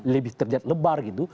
lebih terlihat lebar gitu